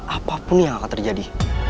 apapun yang akan terjadi